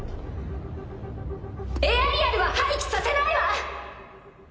エアリアルは廃棄させないわ！